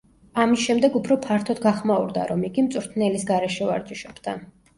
ამის შემდეგ უფრო ფართოდ გახმაურდა, რომ იგი მწვრთნელის გარეშე ვარჯიშობდა.